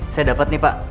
saya dapet nih pak